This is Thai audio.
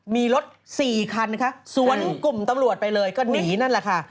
มีรถ๔คันค่ะสวนกลุ่มตำรวจไปเลยก็หนีนั่นแหละค่ะ